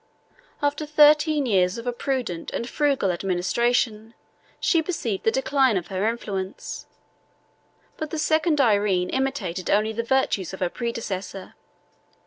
After thirteen years of a prudent and frugal administration, she perceived the decline of her influence; but the second Irene imitated only the virtues of her predecessor.